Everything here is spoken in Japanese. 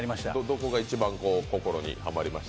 どこが一番心にハマりました？